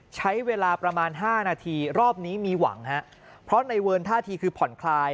ใช้เวลาประมาณห้านาทีรอบนี้มีหวังฮะเพราะในเวิร์นท่าทีคือผ่อนคลาย